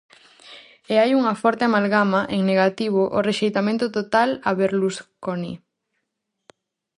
E hai unha forte amalgama, en negativo, o rexeitamento total a Berlusconi.